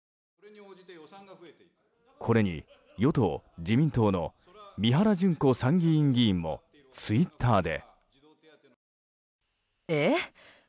これに与党・自民党の三原じゅん子参議院議員もツイッターで。